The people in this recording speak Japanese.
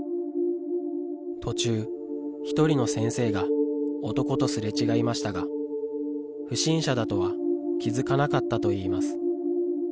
途中、１人の先生が男とすれ違いましたが、不審者だとは気付かなかったといいます。